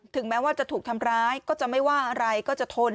แม้ว่าจะถูกทำร้ายก็จะไม่ว่าอะไรก็จะทน